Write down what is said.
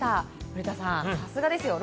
古田さん、さすがですよ